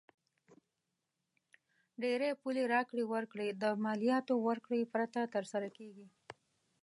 ډېری پولي راکړې ورکړې د مالیاتو ورکړې پرته تر سره کیږي.